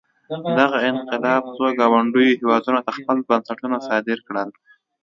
دغه انقلاب څو ګاونډیو هېوادونو ته خپل بنسټونه صادر کړل.